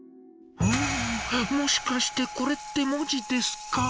もしかしてこれって文字ですか？